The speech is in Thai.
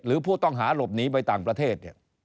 หรือผู้ต้องหาหลบหนีไปต่างประเทศเนี่ย